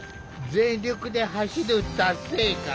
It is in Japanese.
全力で走る達成感。